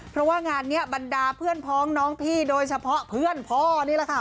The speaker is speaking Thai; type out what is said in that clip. เพราะว่างานนี้บรรดาเพื่อนพ้องน้องพี่โดยเฉพาะเพื่อนพ่อนี่แหละค่ะ